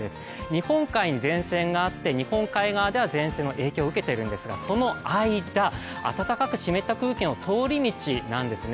日本海に前線があって日本海側では前線の影響を受けているんですが、その間、暖かく湿った空気の通り道なんですね。